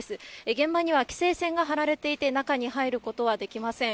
現場には規制線が張られていて、中に入ることはできません。